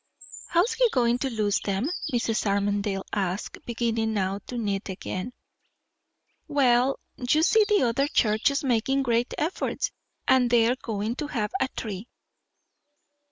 "How's he goin' to lose 'em?" Mrs. Armadale asked, beginning now to knit again. "Well, you see the other church is makin' great efforts; and they're goin' to have a tree."